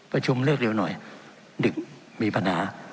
ประชุมเลิกเร็วหน่อยดึกมีปัญหา